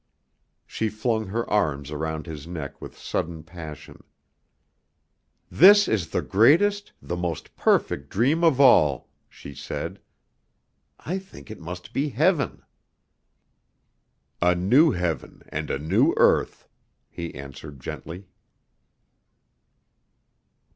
She flung her arms around his neck with sudden passion. "This is the greatest, the most perfect dream of all," she said; "I think it must be heaven." "A new heaven and a new earth," he answered gently.